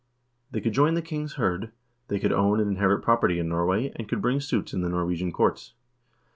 They could join the king's hird; they could own and inherit property in Norway, and could bring suits in the Norwegian courts.